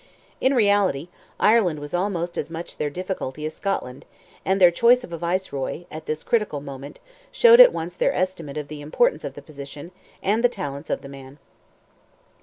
In reality, Ireland was almost as much their difficulty as Scotland, and their choice of a Viceroy, at this critical moment, showed at once their estimate of the importance of the position, and the talents of the man.